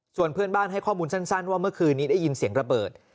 ส่วนเพื่อนบ้านให้ข้อมูลสั้นว่าเมื่อคืนนี้ได้ยินเสียงระเบิด